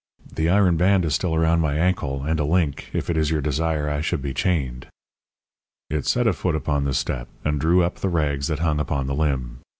The iron band is still around my ankle, and a link, if it is your desire I should be chained." It set a foot upon the step and drew up the rags that hung upon the limb.